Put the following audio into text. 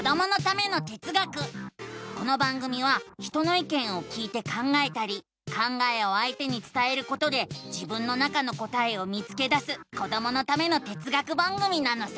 この番組は人のいけんを聞いて考えたり考えをあいてにつたえることで自分の中の答えを見つけだすこどものための哲学番組なのさ！